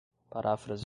paráfrase